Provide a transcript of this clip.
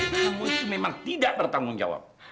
namun itu memang tidak bertanggung jawab